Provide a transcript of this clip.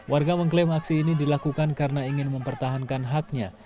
warga mengklaim aksi ini dilakukan karena ingin mempertahankan haknya